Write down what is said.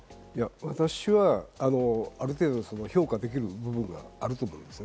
私は、ある程度評価できるものがあると思います。